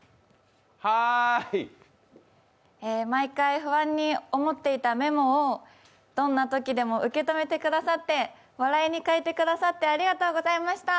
はーい！毎回不安に思っていたメモをどんなときでも受け止めてくださって、笑いの変えてくださってありがとうございました。